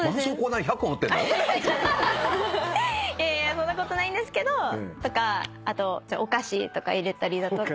そんなことないんですけどお菓子とか入れたりだとか。